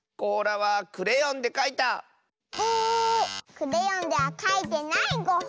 クレヨンではかいてないゴッホ。